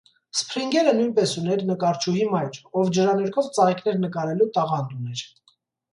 Սփրինգերը նույնպես ուներ նկարչուհի մայր, ով ջրաներկով ծաղիկներ նկարելու տաղանդ ուներ։